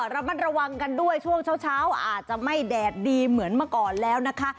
ระมัดระวังกันด้วยช่วงเช้าอาจจะไม่แดดดีเหมือนเมื่อก่อนแล้วนะคะ